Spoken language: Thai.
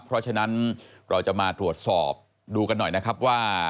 เพราะฉะนั้นเราจะมาตรวจสอบดูกันหน่อยนะครับว่า